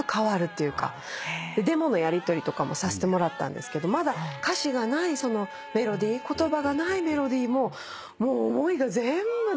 デモのやりとりとかもさせてもらったんですけどまだ歌詞がないメロディー言葉がないメロディーももう思いが全部のってるんですよね。